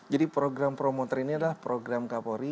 jadi program promoter ini adalah program kapolri